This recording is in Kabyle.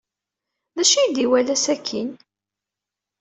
D acu ay iwala sakkin?